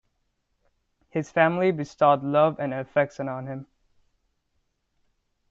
His family bestowed love and affection on him.